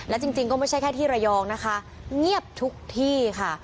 และจริงก็ไม่ใช่แค่ที่ระยองนะคะเงียบทุกที่ค่ะ